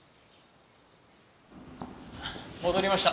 戻りました。